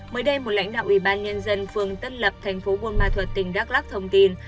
mới đây một lãnh đạo ủy ban nhân dân phường tân lập tp bôn ma thuật tỉnh đắk lắc thông tin